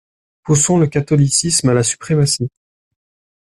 Poussons le catholicisme à la suprématie.